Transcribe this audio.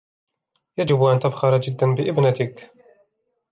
يجب أن تفخر جدا بابنتك.